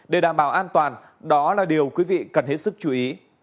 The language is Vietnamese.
để đảm bảo an toàn đó là điều quý vị cần hết sức chú ý